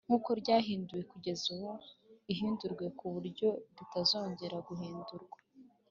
nk uko ryahinduwe kugeza ubu ihinduwe ku buryo ritazongera guhindurwa